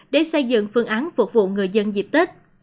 để xây dựng phương án phục vụ người dân dịp tết